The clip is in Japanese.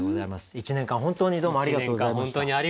１年間本当にありがとうございました。